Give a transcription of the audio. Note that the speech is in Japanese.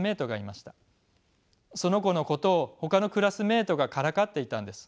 その子のことをほかのクラスメートがからかっていたんです。